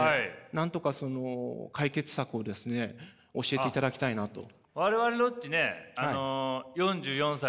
なんとかその解決策をですね教えていただきたいなと。